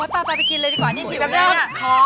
ปลาไปกินเลยดีกว่าอยู่แล้ว